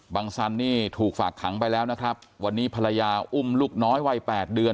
สันนี่ถูกฝากขังไปแล้วนะครับวันนี้ภรรยาอุ้มลูกน้อยวัยแปดเดือน